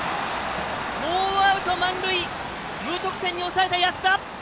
ノーアウト、満塁無得点に抑えた、安田。